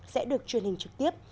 sẽ được truyền hình trực tiếp